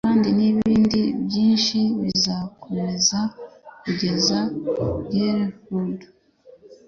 Kandi nibindi byinshi bizakomeza kugeza Greyhound